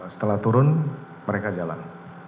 setelah turun mereka jalan